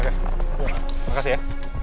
oke makasih ya